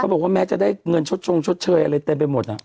บอกว่าแม้จะได้เงินชดชงชดเชยอะไรเต็มไปหมด